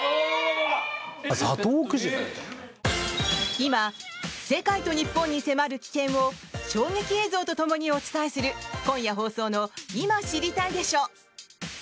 今、世界と日本に迫る危険を衝撃映像と共にお伝えする今夜放送の「今知りたいでしょ！」。